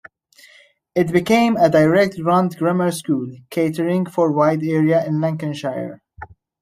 It became a direct grant grammar school catering for a wide area in Lancashire.